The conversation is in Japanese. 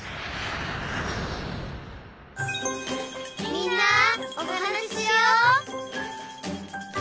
「みんなおはなししよう」